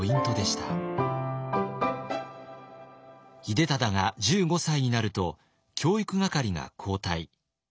秀忠が１５歳になると教育係が交代。